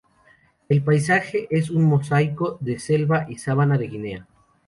El paisaje es un mosaico de selva y sabana de Guinea.